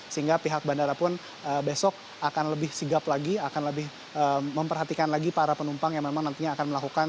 sehingga pihak bandara pun besok akan lebih sigap lagi akan lebih memperhatikan lagi para penumpang yang memang nantinya akan melakukan